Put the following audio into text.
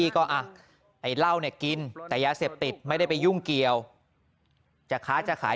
ก็อ่ะไอ้เหล้าเนี่ยกินแต่ยาเสพติดไม่ได้ไปยุ่งเกี่ยวจะค้าจะขาย